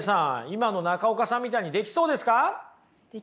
今の中岡さんみたいにできそうですか？